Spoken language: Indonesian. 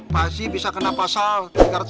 pak haji bisa kena pasal tiga ratus sebelas